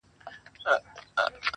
• نه به بیا هغه ارغوان راسي -